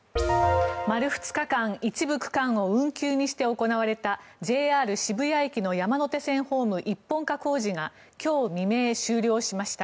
丸２日間一部区間を運休にして行われたＪＲ渋谷駅の山手線ホーム一本化工事が今日未明、終了しました。